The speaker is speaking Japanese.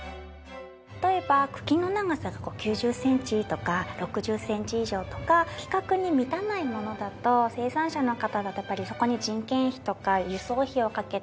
例えば茎の長さが９０センチとか６０センチ以上とか規格に満たないものだと生産者の方だとやっぱりそこに。